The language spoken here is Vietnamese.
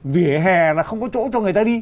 vỉa hè là không có chỗ cho người ta đi